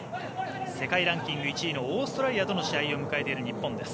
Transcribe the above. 世界ランキング１位のオーストラリアとの試合を迎えている日本です。